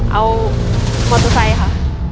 เอามอเตอร์ไซค์ค่ะ